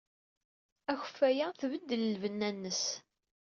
Akeffay-a tbeddel lbenna-nnes.